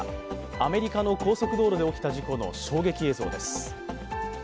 アメリカの高速道路で起きた事故の衝撃映像です。